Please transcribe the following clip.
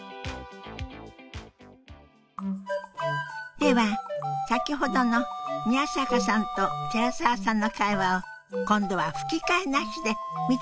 では先ほどの宮坂さんと寺澤さんの会話を今度は吹き替えなしで見てみましょう。